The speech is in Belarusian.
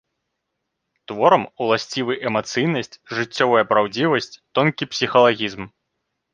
Творам уласцівы эмацыйнасць, жыццёвая праўдзівасць, тонкі псіхалагізм.